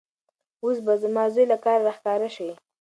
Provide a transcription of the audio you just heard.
اوس به زما زوی له کاره راښکاره شي.